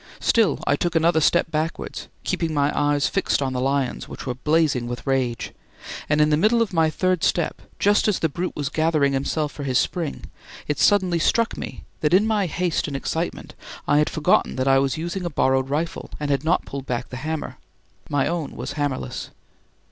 Still I took another step backwards, keeping my eyes fixed on the lion's, which were blazing with rage; and in the middle of my third step, just as the brute was gathering himself for his spring, it suddenly struck me that in my haste and excitement, I had forgotten that I was using a borrowed rifle and had not pulled back the hammer (my own was hammerless).